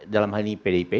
dalam hal ini pdip